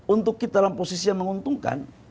untuk kita dalam posisi yang menguntungkan